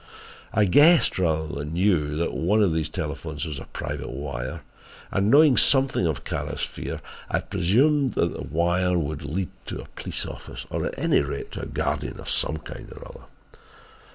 I guessed, rather than knew, that one of these telephones was a private wire and, knowing something of Kara's fear, I presumed that that wire would lead to a police office, or at any rate to a guardian of some kind or other.